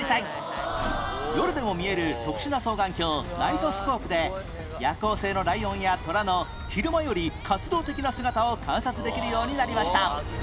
夜でも見える特殊な双眼鏡ナイトスコープで夜行性のライオンやトラの昼間より活動的な姿を観察できるようになりました